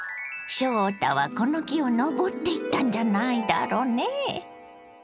翔太はこの木を登っていったんじゃないだろねぇ。